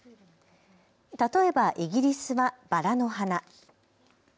例えばイギリスはバラの花。